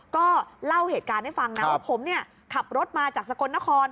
ก็เล่าเหตุการณ์ให้ฟังนะว่าผมขับรถมาจากสกลนคร